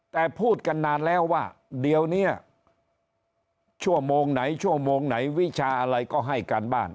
แต่พูดกันนานแล้วว่าเดี๋ยวนี้ชั่วโมงไหนชั่วโมงไหนวิชาอะไรก็ให้การบ้าน